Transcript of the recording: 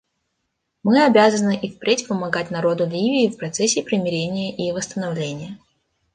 Мы обязаны и впредь помогать народу Ливии в процессе примирения и восстановления.